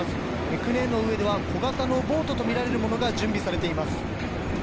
船の上では小型のボートとみられるものが準備されています。